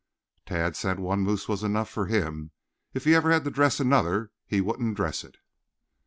Tad said one moose was enough for him. If he ever had to dress another he wouldn't dress it.